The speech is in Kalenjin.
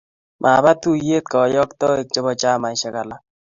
Mapa tuiyet kayoktoik chebo chamaisiek alak.